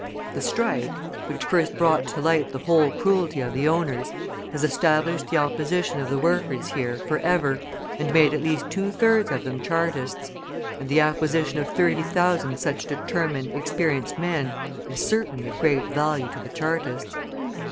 The strike, which first brought to light the whole cruelty of the owners, has established the opposition of the workers here, forever, and made at least two thirds of them Chartists; and the acquisition of thirty thousand such determined, experienced men is certainly of great value to the Chartists.